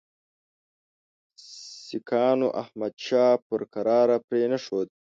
سیکهانو احمدشاه پر کراره پرې نه ښود.